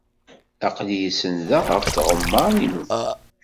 Aql-iyi senndeɣ ɣef tɣemmar-inu.